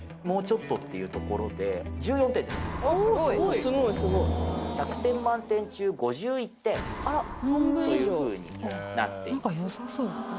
もうちょっとっていうところであっスゴい１００点満点中というふうになっています